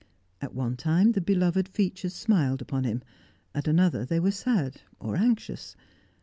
At one time the beloved features smiled upon him; at another they were sad, or anxious.